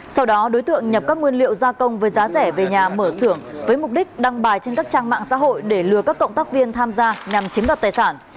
sau đó đối tượng nhập các nguyên liệu gia công với giá rẻ về nhà mở xưởng với mục đích đăng bài trên các trang mạng xã hội để lừa các cộng tác viên tham gia nhằm chiếm đoạt tài sản